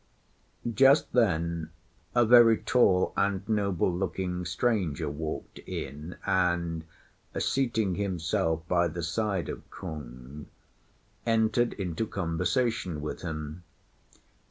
Just then a very tall and noble looking stranger walked in, and, seating himself by the side of Kung, entered into conversation with him.